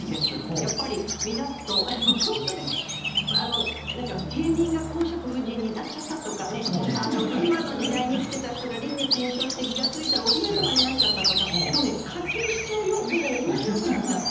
やっぱり見だすと平民が公爵夫人になっちゃったとか今の時代に生きていた人が輪廻転生して気がついたらお姫様になっちゃったとか面白くなっちゃって。